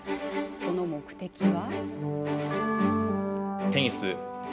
その目的は？